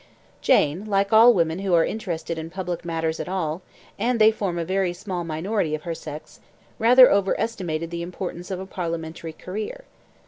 Jane, like all women who are interested in public matters at all, and they form a very small minority of her sex, rather over estimated the importance of a parliamentary career.